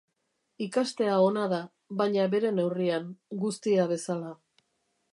Ikastea ona da, baina bere neurrian, guztia bezala.